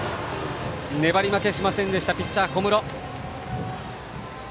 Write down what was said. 粘り負けしませんでしたピッチャーの小室。